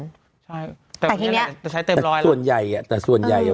ใช่แต่แค่เนี้ยใช้เต็มร้อยส่วนใหญ่อ่ะแต่ส่วนใหญ่อ่ะ